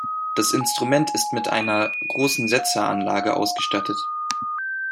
Das Instrument ist mit einer großen Setzeranlage ausgestattet.